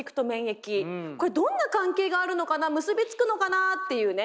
これどんな関係があるのかな結び付くのかなっていうね